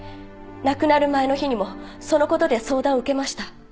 亡くなる前の日にもその事で相談を受けました。